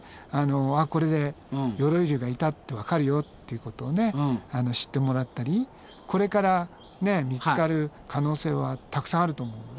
これで鎧竜がいたってわかるよっていうことを知ってもらったりこれから見つかる可能性はたくさんあると思うので。